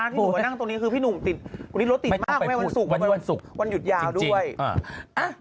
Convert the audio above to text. พี่หนุ่มมานั่งตรงนี้คือพี่หนุ่มติดวันนี้รถติดมากวันศุกร์วันหยุดยาด้วย